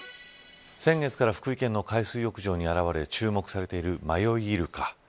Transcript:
先月から福井県の海水浴場に現れ注目されている迷いイルカ